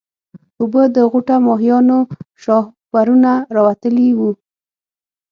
اوبه د غوټه ماهيانو شاهپرونه راوتلي وو.